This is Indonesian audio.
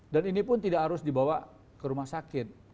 dan ini pun tidak harus dibawa ke rumah sakit